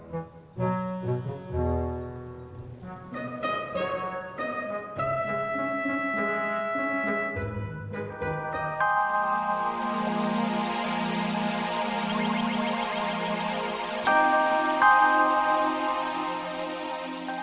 terima kasih kak kapur sudah antar beta pulang pergi